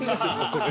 これ。